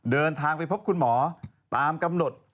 เดินทางไปพบคุณหมอตามกำหนด